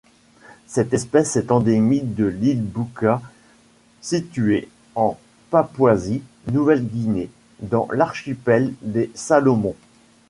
Cette espèce est endémique de l'île Buka située en Papouasie-Nouvelle-Guinée dans l'archipel des Salomon.